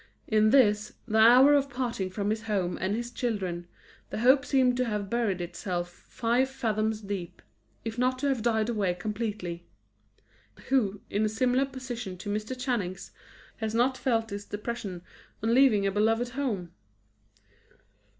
In this, the hour of parting from his home and his children, the hope seemed to have buried itself five fathoms deep, if not to have died away completely. Who, in a similar position to Mr. Channing's, has not felt this depression on leaving a beloved home?